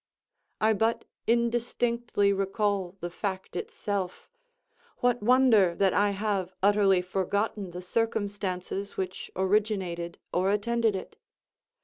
I but indistinctly recall the fact itself—what wonder that I have utterly forgotten the circumstances which originated or attended it?